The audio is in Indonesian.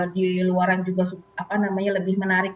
di luar juga apa namanya lebih menarik